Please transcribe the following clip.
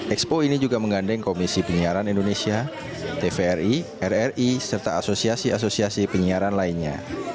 expo ini juga menggandeng komisi penyiaran indonesia tvri rri serta asosiasi asosiasi penyiaran lainnya